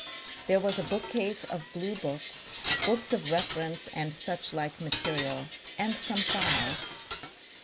There was a bookcase of bluebooks, books of reference and suchlike material, and some files.